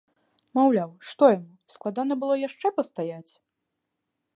Маўляў, што яму, складана было яшчэ пастаяць?!